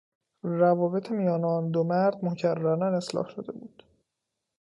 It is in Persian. روابط میان آن دو مرد مکررا اصلاح شده بود.